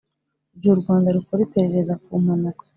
Igihe u Rwanda rukora iperereza ku mpanuka